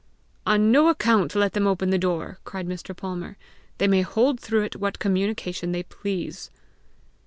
"On no account let them open the door," cried Mr. Palmer. "They may hold through it what communication they please."